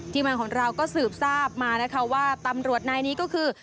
ทีมันของเราก็สืบทราบมาว่าตำรวจในนี้ก็คือ